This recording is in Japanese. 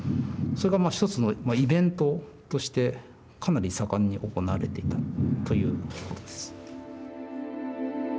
それがまあ一つのイベントとしてかなり盛んに行われていたということです。